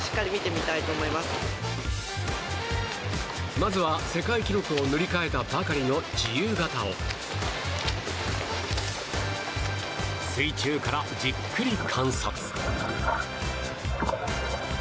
まずは、世界記録を塗り替えたばかりの自由形を水中からじっくり観察。